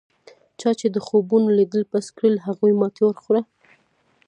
چا چې د خوبونو لیدل بس کړل هغوی ماتې وخوړه.